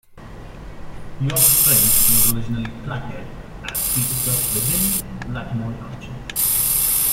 York Springs was originally platted as Petersburg within Latimore Township.